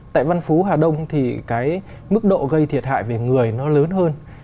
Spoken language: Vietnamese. tại văn phú hà đông thì cái mức độ gây thiệt hại về người nó lớn hơn